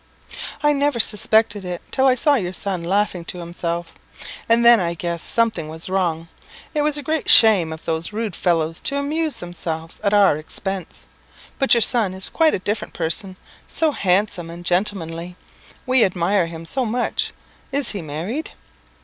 "I never suspected it till I saw your son laughing to himself, and then I guessed something was wrong. It was a great shame of those rude fellows to amuse themselves at our expense; but your son is quite a different person so handsome and gentlemanly. We admire him so much. Is he married?"